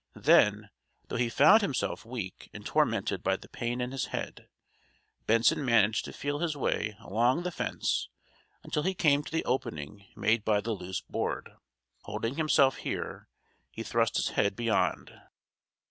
Then, though he found himself weak and tormented by the pain in his head, Benson managed to feel his way along the fence until he came to the opening made by the loose board. Holding himself here, he thrust his head beyond.